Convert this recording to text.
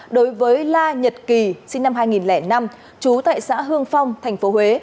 đối với la nhật kỳ sinh năm hai nghìn năm trú tại xã hương phong thành phố huế